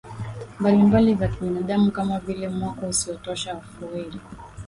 mbalimbali za kibinadamu kama vile mwako usiotosha wa fueli